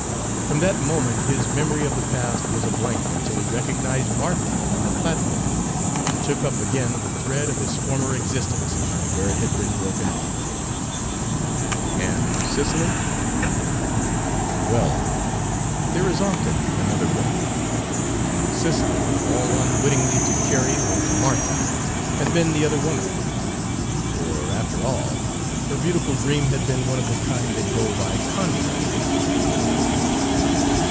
From that moment his memory of the past was a blank until he recognized Martha on the platform and took up again the thread of his former existence where it had been broken off. And Cicely? Well, there is often another woman, and Cicely, all unwittingly to Carey or to Martha, had been the other woman. For, after all, her beautiful dream had been one of the kind that go by contraries.